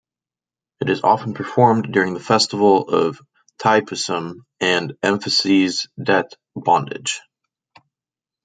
It is often performed during the festival of Thaipusam and emphasises debt bondage.